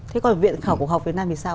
thế còn viện khảo cổ học việt nam thì sao